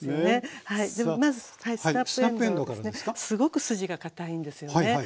すごく筋がかたいんですよね。